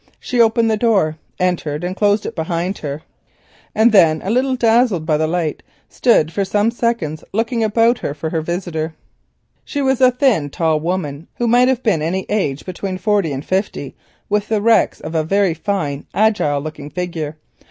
She opened the door, entered, and closed it behind her, and then, a little dazzled by the light, stood for some seconds looking about for her visitor. She was a thin, tall woman, who might have been any age between forty and fifty, with the wrecks of a very fine agile looking figure.